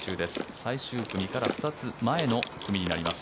最終組から２つ前の組になります。